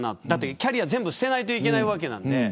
キャリア全部捨てないといけないわけなんで。